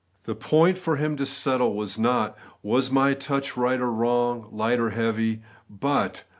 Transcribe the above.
The point for him to settle was not. Was my touch right or wrong, light or heavy ? but.